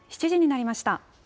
７時になりました。